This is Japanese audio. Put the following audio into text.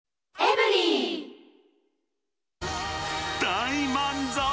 大満足！